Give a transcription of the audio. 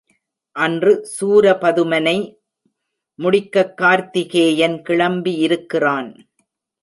அன்று சூரபதுமனை முடிக்கக் கார்த்திகேயன் கிளம்பியிருக்கிறான்.